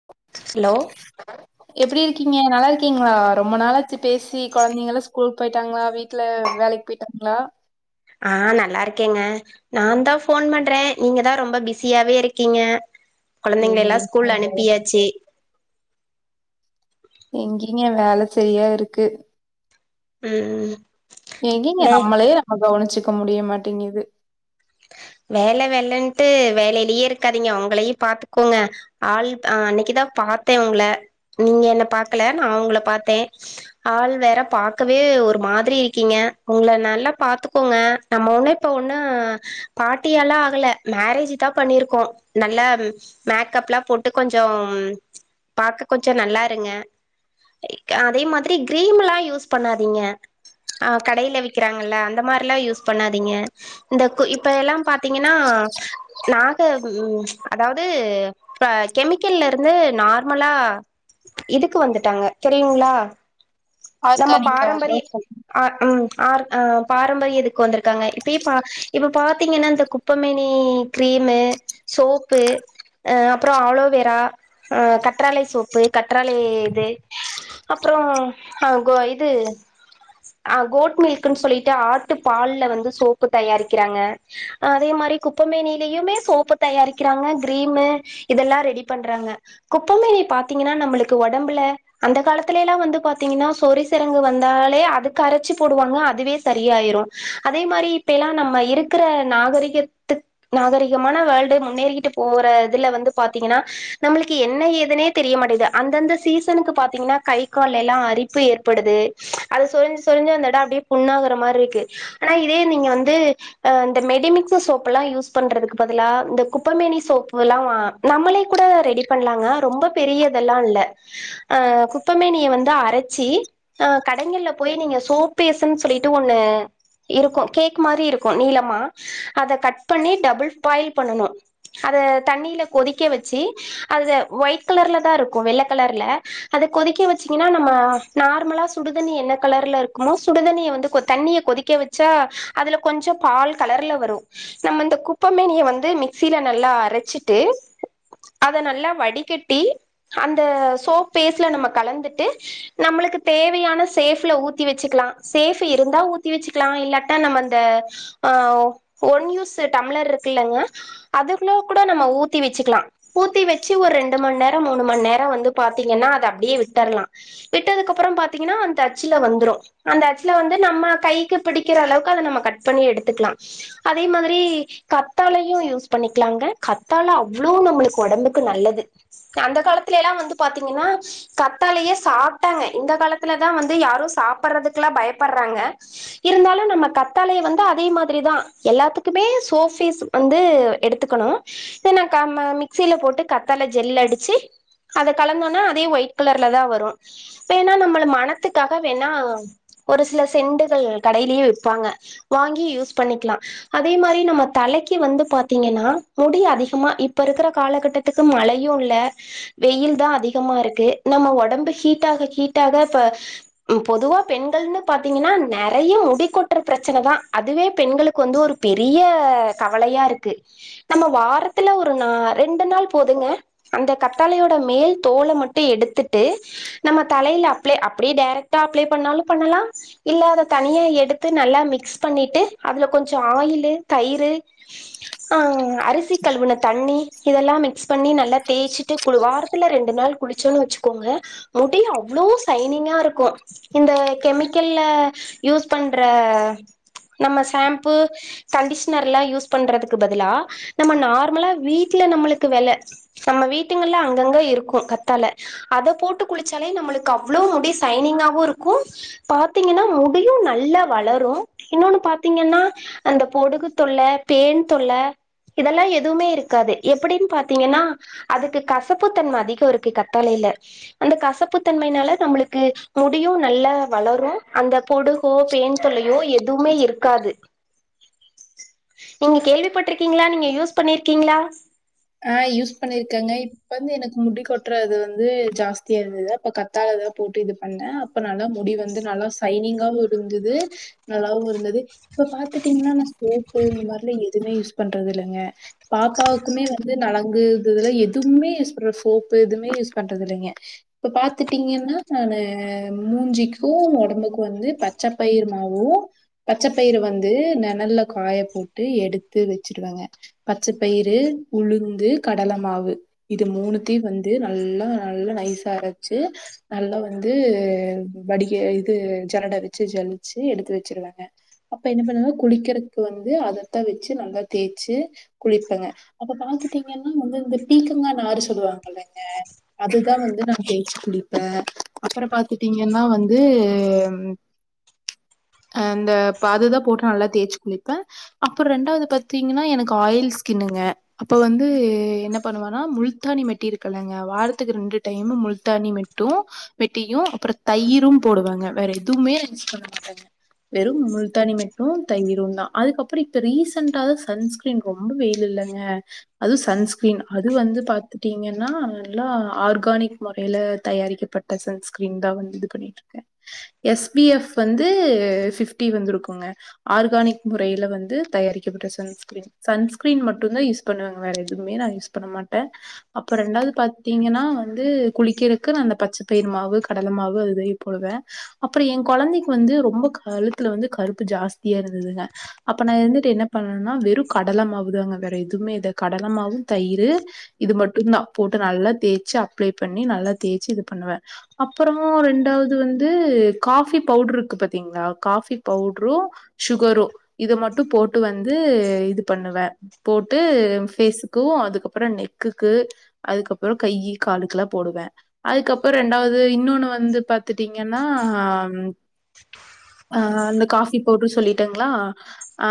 ஆ hello ஆ எப்டி இருக்கீங்க நல்லா இருக்கீங்களா ரொம்ப நாளாச்சு பேசி குழந்தைங்கள ஸ்கூலு போயிட்டாங்களா வீட்ல வேலைக்கு போய்ட்டாங்களா ஆ நல்லா இருக்கேங்க நா தா போன் பண்றே நீங்க தா ரொம்ப பிஸியாவே இருக்கீங்க குழந்தைங்க எல்லா எங்கேங்க ஸ்கூல்ல வேல அனுப்பியாச்சு எங்கிங்க வேல சரியா இருக்கு ம் எங்கேங்க லே நம்மளே நம்ம கவனிச்சுக்க முடிய மாட்டேங்குது வேல வெலைன்ட்டு வேலையிலயே இருக்காதீங்க உங்களையு பாத்துக்கோங்க ஆள் அன்னைக்குதா பாத்தே உங்கள நீங்க என்ன பாக்கல நா உங்கள பார்த்தே ஆள் வேற பாக்கவே ஒரு மாதிரி இருக்கீங்க உங்கள நல்லா பாத்துக்கோங்க நம்ம ஒண்ணு இப்ப ஒண்ணு பாட்டியல்லா ஆகல மேரேஜ் தா பண்ணிருக்கோ நல்லா மேக்கப்ல்லா போட்டு கொஞ்சோ பாக்க கொஞ்சோ நல்லா இருங்க அதே மாதிரி கிரீம்ல்லா யூஸ் பண்ணாதீங்க ஆஹ் கடையில விக்கிறாங்கல்ல அந்த மாதிரில்லா யூஸ் பண்ணாதீங்க இந்த இப்ப எல்லா பாத்தீங்கன்னா நாக உம் அதாவது இப்ப கெமிக்கல்ல இருந்து நார்மலா இதுக்கு வந்துட்டாங்க தெரியுங்ளா நம்ம ஆர்கானிக்கா பாரம்பரிய தான் சொல் ஆ ம் ஆரு அ பாரம்பரிய இதுக்கு வந்திருக்காங்க இப்பயே பா இப்போ பாத்தீங்கனா இந்த குப்பமேனி க்ரீமு சோப்பு அ அப்றோ ஆலோவேரா அ கற்றாலை சோப்பு கற்றாலை இது அப்புறோ அ கோ இது ஆ கோட் மில்க்கின் சொல்லிட்டு ஆட்டு பால்ல வந்து சோப்பு தயாரிக் கிறாங்க அ அதே மாரி குப்பமேனிலயுமே சோப்பு தயாரிக்கிறாங்க க்ரீமு இதெல்லா ரெடி பண்றாங்க குப்பமேனி பாத்தீங்கனா நம்மளுக்கு ஒடம்புல அந்த காலத்திலேலா வந்து பாத்தீங்குனா சொரி செரங்கு வந்தாலே அதுக்கு அரச்சு போடுவாங்க அதுவே சரியாய்ரு அதே மாரி இப்பேலா நம்ம இருக்குற நாகரிகத்து நாகரிகமான வால்டு முன்னேறிகிட்டு போற இதுல வந்து பாத்தீங்கனா நம்மளுக்கு என்ன ஏதுனே தெரியமாட்டேங்குது அந்தந்த சீசனுக்கு பாத்தீங்குனா கை கால்லேலா அரிப்பு ஏற்படுது அது சொரிஞ்சு சொரிஞ்சு அந்த எடோ அப்டியே புண்ணாகுற மாரி இருக்கு ஆனா இதே நீங்க வந்து அ இந்த மெடிமிக்ஸு சோப்பெல்லா யூஸ் பண்றதுக்கு பதிலா இந்த குப்பமேனி சோப்புலா வா நம்மளே கூட ரெடி பண்லாங்க ரொம்ப பெரிய இதெல்லா இல்ல அ குப்பமேனிய வந்து அரச்சி ஆ கடைங்கல்ல போய் நீங்க சோபேசுன் சொல்லிட்டு ஒன்னு இருக்கு கேக்கு மாரி இரு க்கு நீளமா அத கட் பண்ணி டபுள் பாயில் பண்ணணு அத தண்ணீல கொதிக்க வச்சு அத ஒயிட் கலர்லதா இருக்கு வெள்ள கலர்ல அத கொதிக்க வச்சீங்குனா நம்ம நார்மலா சுடுதண்ணி என்ன கலர்ல இருக்குமோ சுடுதண்ணிய வந்து கொ தண்ணிய கொதி க்க வச்சா அதுல கொஞ்சோ பால் கலர்ல வரு நம்ம இந்த குப்பமேனிய வந்து மிக்ஸில நல்லா அரச்சிட்டு அத நல்லா வடிகட்டி அந்த சோப் பேஸ்ல நம்ம கலந்துட்டு நம்மளுக்கு தேவையான சேஃப்ல ஊத்தி வச்சுக்குலா சேஃபு இருந்தா ஊத்தி வச்சுக்குலா இல்லாட்டா நம்மன் இந்த ஆ ஒன் யூஸு டம்ளர் இருக்குலங்க அது ஃபுளோ கூட நம்ம ஊத்தி வச்சுக்குலா ஊத்தி வச்சு ஒர் ரெண்டு மண்நேரோ மூணு மண்நேரோ வந்து பாத்தீங்கனா அத அப்டியே விட்டர்லா விட்டதுக்கப்புறம் பாத்தீங்கனா அந்த அச்சுல வந்துரு அந்த அச்சுல வந்து நம்ம கைக்கு பிடிக்கிற அளவுக்கு அத நம்ம கட் பண்ணி எடுத்துக்லா அதே மாதிரி கத்தாலையு யூஸ் பண்ணிக்லாங்க கத்தால அவ்ளோ நம்மளுக் ஒடம்புக்கு நல்லது க அந்த காலத்துலேலா வந்து பாத்தீங்கனா கத்தாலையே சாப்ட்டாங்க இந்த காலத்துலதா வந்து யாரு சாப்பறதுக்குலா பயப்பட்றாங்க இருந்தாலு நம்ம கத் தாலய வந்து அதே மாதிரிதா எல்லாத்துக்குமே சோஃபேஸு வந்து எடுத்துக்கணு இன்னகாம மிக்ஸில போட்டு கத்தால ஜெல்லடிச்சு அத கலந்தோனா அதே ஒயிட் கலர்லதா வரு வேணா நம்மள மனத்துக்காக வேணா ஒரு சில செண்டுகள் கடையிலியே விப்பாங்க வாங்கி யூஸ் பண்ணிக்லா அதே மாரி நம்ம தலைக்கு வந்து பாத்தீங்கனா முடி அதிகமா இப்ப இருக்கிற காலகட்ட த்துக்கு மழையு இல்ல வெயில்தா அதிகமா இருக்கு நம்ம ஒடம்பு ஹீட்டாக ஹீட்டாக இப்ப ம் பொதுவா பெண்கள்னு பாத்தீங்குனா நெறைய முடி கொட்ற பிரச்சனதா அதுவே பெண்களுக்கு வந்து ஒரு பெரிய கவலையா இருக்கு நம்ம வாரத்துல ஒரு நா ரெண்டு நாள் போதுங்க அந்த கத்தாழையோட மேல் தோல மட்டு எடுத்துட்டு நம்ம தலையில அப்ளை அப்டியே டைரக்டா அப்ளை பண்ணாலு பண்ணலா இல்ல அத தனியா எடுத் து நல்லா மிக்ஸ் பண்ணிட்டு அதுல கொஞ்சோ ஆயிலு தயிரு ஆ அரிசி கழவுன தண்ணி இதெல்லா மிக்ஸ் பண்ணி நல்லா தேய்ச்சுட்டு குழு வாரத் ல ரெண்டு நாள் குளிச்சோன்னு வச்சுக்கோங்க முடி அவ்ளோ சைனிங்கா இருக்கு இந்த கெமிக்கல்ல யூஸ் பண்ற நம்ம ஷம்பு கண்டிஷனர்ல்லா யூஸ் பண்றதுக்கு பதிலா நம்ம நார்மலா வீட்ல நம்மளுக்கு வெல நம்ம வீட்டுங்கல அங்கங்க இருக்கு கத்தாழ அத போட்டு குளிச்சாலே நம்ளுக்கு அவ்ளோ முடி சைனிங்காவு இருக்கு பாத்தீங்கன்னா முடியு நல்லா வளரு இன்னொன்னு பாத்தீங்கன்னா அந்த பொடுகு தொல்ல பேன் தொல்ல இதெல்லா எதுவுமே இருக்காது எப்டின் பாத்தீங்கன்னா அதுக்கு கசப்புத்தன்ம அதிகோ இருக்கு கத்தாழைல அந்த கசப்புத்தன்மைனால நம்மளுக்கு முடியு நல்லா வளரு அந்த பொடுகோ பேன் தொல்லையோ எதுமே இருக்காது நீங்க கேள்விப்பட்டிருக்கீங்களா நீங்க யூஸ் பண்ணிருக்கீங்களா ஆ யூஸ் பண்ணிருக்கேங்க இப்ப வந்து எனக்கு முடி கொட்றது வந்து ஜாஸ்தியா இருந்தது அப்ப கத் தாழதா போட்டு இது பண்ணே அப்ப நல்லா முடி வந்து நல்லா சைனிங்காவு இருந்துது நல்லாவு இருந்தது இப்ப பாத்துட்டீங்கன்னா நா சோப்பு இந்த மாரில்லா எதுமே யூஸ் பண்றது இல்லங்க பாப்பாவுக்குமே வ வந்து நலங்கு இதுலா எதுமே யூஸ் பண்ற சோப்பு எதுமே யூஸ் பண்றது இல்லைங்க இப்ப பாத்துட்டீங்கன்னா நானு மூஞ்சிக்கு ஒடம்புக்கு வந்து பச்ச பயிர் மாவு பச்சப்பயிறு வந்து நெணல்ல காய போட்டு எடுத்து வச்சுருவங்க பச்சப்பயிறு உளுந்து கடல மாவு இது மூணுத்தையு வந்து நல்லா நல்லா நைசா அரைச்சு நல்லா வந்து வடிகை இது ஜலட வச்சு ஜலிச்சு எடுத்து வச்சிருவேங்க அப்ப என்ன பண்ணுவேனா குளிக்கிறக்கு வந்து அதத்தா வச்சு நல்லா தேய்ச்சு குளிப்பேங்க அப்ப பாத்துட்டீங்கன்னா வந்து இந்த பீக்கங்கா நாறு சொல்லுவாங்கல்லங்க அதுதா வந்து நா தேச்சு குளிப்பே அப்றோ பாத்துட்டீங்கன்னா வந்து அ இந்த பதுதா போட்டு நல்லா தேய்ச்சு குளிப்பே அப்றோ ரெண்டாவது பாத்தீங்கன்னா எனக்கு ஆயில் ஸ்கின்னுங்க அப்போ வந்து என்ன பண்ணுவேனா முல்தாணி மெட்டி இருக்குலங்க வாரத்துக்கு ரெண்டு டைமு முல்தானி மெட்டு மெட்டியு அப்றோ தயிரும் போடுவேங்க வேற எதுமே நா யூஸ் பண்ண மாட்டேங்க வெறு முல்தானி மெட்டு தயிருந்தா அதுக்கப்றோ இப்ப ரீசெண்டா தா சன்ஸ் க்ரீன் ரொம்ப வெயில் இல்லங்க அது சன்ஸ்கிரீன் அது வந்து பாத்துட்டீங்கன்னா நல்லா ஆர்கானிக் மொறைல தயாரிக்கப்பட் ப சன் ஸ்கிரீன் தா வந்து இது பண்ணிட்டு இருக்கே எஸ் பி எஃப் வந்து ஃபிஃப்டி வந்துருக்குங்க ஆர்கானிக் முறைல வந்து தயாரிக்கப்பட்ட சன்ஸ்கிரீன் சன்ஸ்கிரீன் மட்டுந்தா யூஸ் பண்ணுவேங்க வேற எதுமே நா யூஸ் பண்ண மாட்டே அப்ப ரெண்டாவது பாத்தீங்கன்னா வந்து குளிக்கிறக்கு நா அந்த பச்சப்பயிறு மாவு கடல மாவு அதுதா போடுவே அப்றோ எ கொழந்தைக்கு வந்து ரொம்ப கழுத்துல வந்து கருப்பு ஜாஸ்தியா இருந்துதுங்க அப்ப நா இருந்துட்டு என்ன பண்ணேனா வெறு கடல மாவு தாங்க வேற எதுமே இத கடலமாவு தயிரு இது மட்டுந்தா போட்டு நல்லா தேய்ச்சு அப்ளே பண்ணி நல்லா தேய்ச்சு இது பண்ணுவே அப்புறோ ரெண்டாவது வந்து காஃபி பவுட்ரு இருக்கு பாத்தீங்ளா காஃபி பவுட்ரு சுகரோ இத மட்டு போட்டு வந்து இது பண்ணுவ போட்டு ஃபேஸ்க்கு அதுக்கப்புற நெக்குக்கு அதுக்கப்புற கையி காலுக்குலா போடுவ அதுக்கப்புற ரெண்டாவது இன்னொன்னு வந்து பாத்துட்டீங்கன்னா அ அந்த காஃபி பவுட்ரு சொல்லிட்டங்ளா அ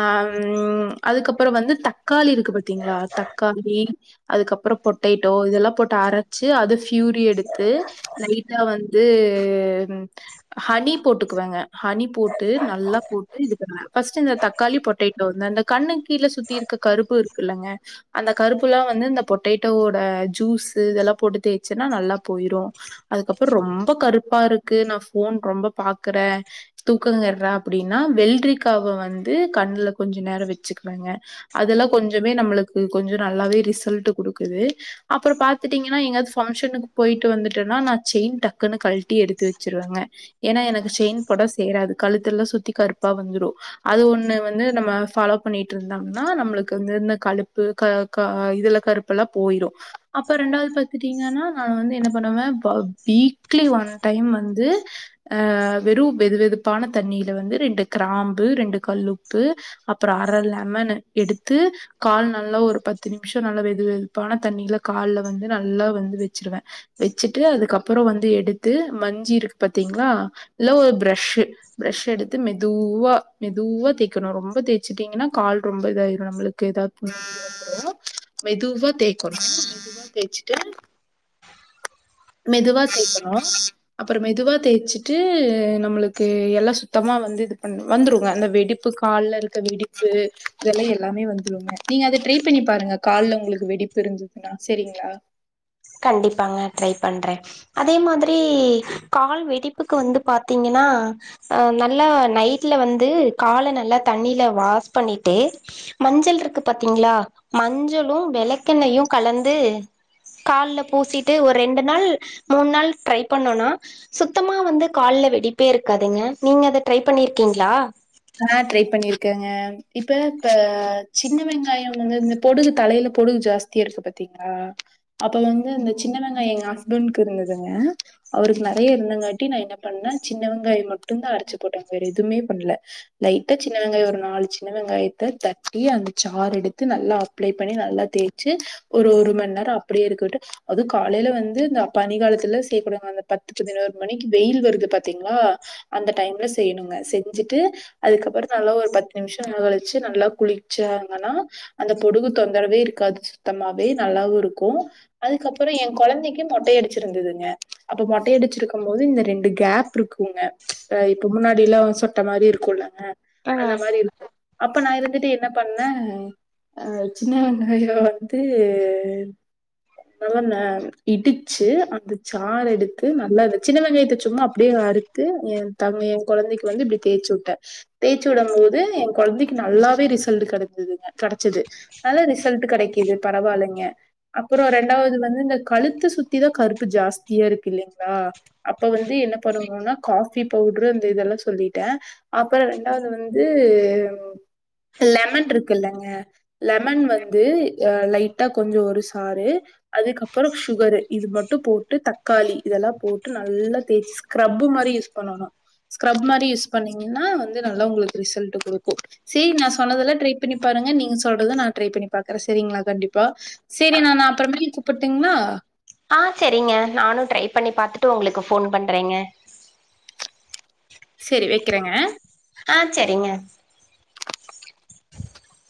அதுக்கப்பறோ வந்து தக்காளி இருக்கு பாத்தீங்ளா தக்காளி அதுக்கப்புற பொட்டேட்டோ இதெல்லா போட்டு அரச்சி அத ஃபியூரி எடுத்து லைட்ல வந்து ஹனி போட்டுக்குவங்க ஹனி போட்டு நல்லா போட்டு இது பண்ணுவ ஃபர்ஸ்டு இந்த தக் காளி பொட்டேட்டோ வந்து அந்த கண்ணு கீல சுத்தி இருக்க கருப்பு இருக்குல்லங்க அந்த கருப்புல்லா வந்து இந்த பொட்டேட்டோவோட ஜூசு இதெல்லா போட்டு தேய்ச்சன்னா நல்லா போய்ரும் அதுக்கப்புற ரொம்ப கருப்பா இருக்கு நா ஃபோன் ரொம்ப பாக்குற தூக்கங்கர்ல அப்டினா வெல்ரிக்காவ வந்து கண்ணுல கொஞ்ச நேர வச்சுக்குவங்க அதுல்லா கொஞ்சமே நம்ளுக்கு கொஞ்ச நல்லாவே ரிசல்ட் குடுக்குது அப்றம் பாத்துட்டீங்கன்னா எங்கயாவது ஃபங்க்ஷனுக்கு போயிட்டு வந்துட்டன்னா நா செயின் டக்குன்னு கழ்ட்டி எடுத்து வெச்சிருவேங்க ஏனா எனக்கு செயின் போட்டா சேராது கழுத்துல சுத்தி கருப் பா வந்துரு அது ஒண்ணு வந்து நம்ம ஃபாலோ பண்ணிட்டு இருந்தங்னா நம்ளுக் கு வந்து இந்த கழுப்பு க க இதுல கருப்புலா போயிறு அப்ப ரெண்டாவது பாத்துட்டீங்கன்னா நா வந்து என்ன பண்ணுவே ப வீக்லி ஒன் டைம் வந்து ஆ வெறு வெது வெதுப்பான தண்ணியில வந்து ரெண்டு கிராம்பு ரெண்டு கல் உப்பு அப்றம் அ லெமனு எடுத்து கால் நல்லா ஒரு பத்து நிம்ஷ நல்லா வெது வெதுப்பான தண்ணியில கால்ல வந்து நல்லா வந்து வெச்சிருவே வெச்சுட்டு அதுக்கப்ற வந்து எடுத்து மஞ்சி இருக்கு பாத்தீங்ளா இல்ல ஒரு ப்ரஷு பிரஷ் எடுத்து மெதூவா மெதூவா தேய்கணு ரொம்ப தேச்சுட்டீங்கனா கால் ரொம்ப இதாய்ரு நம்ளுக்கு ஏதாவ்து மெதுவா தேய்க்கணோ மெதுவா தேச்சுட்டு மெதுவா தேக்கணோ அப்றம் மெதுவா தேச்சிட்டு நம்ளுக்கு எல்லா சுத்தமா வந்து இது பண்ணு வந்ரும் வ அந்த வெடிப் இப்ப கால்ல இருக்க வெடிப்பு இதெல்லா எல்லாமே வந்துறுங்க நீங்க அத ட்ரை பண்ணி பாருங்க கால்ல உங்ளுக்கு வெடிப்பு இருந்துதுன்னா சரிங்ளா கண்டிப்பாங்க ட்ரை பண்றே அதே மாதிரி கால் வெடிப்புக்கு வந்து பாத்தீங்கனா அ நல்லா நைட்ல வந்து கால நல்லா தண்ணீல வாஸ் பண்ணிட்டு மஞ்சள் இருக்கு பாத்தீங்ளா மஞ்சளும் வெளக்கெண்ணையு கலந்தூ கால்ல பூசிட்டு ஒரு ரெண்டு நாள் மூண் நாள் ட்ரை பண்ணோன்னா சுத்தமா வந்து கால்ல வெடிப்பே இருக்காதுங்க நீங்க அத ட்ரை பண்ணிருக்கீங்ளா ஆ ட்ரை பண்ணியிருக்கேங்க இப்ப இப்ப சின்ன வெங்காயோ வந்து இந்த பொடுகு தலையில பொடுகு ஜாஸ் த்தி இருக்கு பாத்தீங்ளா அப்ப வந்து இந்த சின்ன வெங்காய எங்க ஹஸ்பண்ட்கு இருந்துதுங்க அவுருக்கு நறைய இருனங்காட்டி நா என்ன பண்ணே சின்ன வெங்காய மட்டுந் தா அரச்சு போட்டே வேற எதுமே பண்ல லைட்டா சின்ன வெங்காயோ ஒரு நாலு சின்ன வெங்காயத்த தட்டி அந்த சார் எடுத்து நல்லா அப் அப்ளே பண்ணி நல்லா தேச்சு ஒரு ஒரு மண் நேரோ அப்டியே இருக்கட்டு அது காலையில வந்து இந்த பனி காலத்துல செய்யக்கூடாத்ங்க அந்த பத்து பதினோரு மணிக்கு வெயில் வருது பாத்தீங்ளா அந்த டைம்ல செய்ணுங்க செஞ்சுட்டு அதுக்கப்ற நல்லா ஒரு பத்து நிமிஷ நே கழிச்சு நல்லா குளிச்சாங்கனா அந்த பொடுகு தொந்தரவே இருக்காது சுத்தமாவே நல்லாவு இருக்கு அதுக்கப்ற ஏ கொழந்தைக்கு மொட்டை அடிச்சிருந்துதுங்க அப்ப மொட்டை அடிச்சிருக்கும் போது இந்த ரெண்டு கேப் இருக்குங்க ச ஆ இப்ப முன்னாடியிலா சொட்ட மாரி இருக்குல்ல அந்த ஆ மாரி இருக்கு அப்ப நா இருந்துட்டு என்ன பண்ணே அ சின்ன வெங்காயோ வந்து நல்லா ந இடிச்சு அந்த சார் எடுத்து நல்லா வெச்சி சின்ன வெங்காயத்த சும்மா அப்டியே அறுத் து எ தம்பி எ கொழந்தைக்கு வந்து இப்டி தேச்சு விட்டே தேச்சு விடும் போது ஏ கொழந்தைக்கு நல்லாவே ரிசல்ட் கிடந்ததுங்க கெடச்சுது நல்ல ரிசல்ட் கெடைக்கிது பரவால்லிங்க அப்றோ ரெண்டாவது வந்து இந்த கழுத்து சுத்திதா கருப்பு ஜாஸ்தியா இருக்கு இல்லைங்ளா அப்ப வந்து என்ன பண்ணனுனா காபி பவுட்ரு அந்த இதெல்லா சொல்லிட்டே அப்றோ ரெண்டாவது வந்து லெமன் இருக்கு இல்லங்க லெமன் வந்து அ லைட்டா கொஞ்சோ ஒரு சாறு அதுக்கப்றோ சுகரு இது மட்டு போட்டு தக்காளி இதெல்லா போட்டு நல்லா தேச்சு ஸ்ரப்பு மாரி யூஸ் பண்ணணு ஸ்க்ரப் மாரி யூஸ் பண்ணீங்கன்னா வந்து நல்லா உங்ளுக்கு ரிசல்ட் குடுக்கு சீ நா சொன்னதெல்லா ட்ரை பண்ணி பாருங்க நீங்க சொல்றத நா ட்ரை பண்ணி பாக்றே சரிங்ளா கண்டிப்பா சேரி நான் அப்ற மேட்டி கூப்புட்டுங்ளா அ சரிங்க நானு ட்ரை பண்ணி பாத்துட்டு உங்ளுக்கு ஃபோன் பண்றேங்க சரி வெக்கிறேங்க ஆ சரிங்க